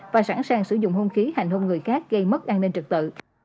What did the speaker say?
và sẵn sàng sử dụng hôn khí hành hôn người khác gây mất an ninh trực tự